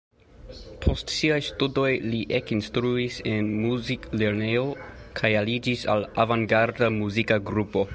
Post siaj studoj li ekinstruis en muziklernejo kaj aliĝis al avangarda muzika grupo.